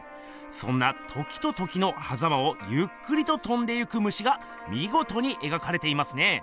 そんな時と時のはざまをゆっくりととんでゆくムシがみごとに描かれていますね。